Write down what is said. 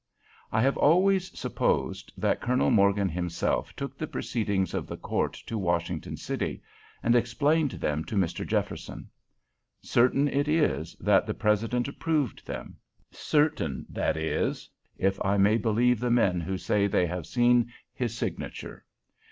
I have always supposed that Colonel Morgan himself took the proceedings of the court to Washington city, and explained them to Mr. Jefferson. Certain it is that the President approved them, certain, that is, if I may believe the men who say they have seen his signature.